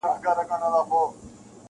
چي یې تاب د هضمېدو نسته وجود کي.